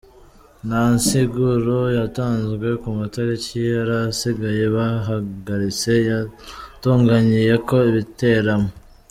Nta nsiguro yatanzwe ku matariki yarasigaye yahagaritse yotangiyeko ibiteramo.